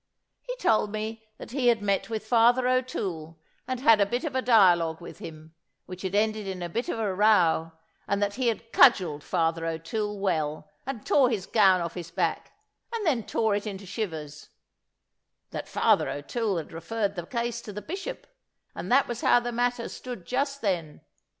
He told me that he had met with Father O'Toole, and had a bit of a dialogue with him, which had ended in a bit of a row, and that he had cudgelled Father O'Toole well, and tore his gown off his back, and then tore it into shivers, that Father O'Toole had referred the case to the bishop, and that was how the matter stood just then.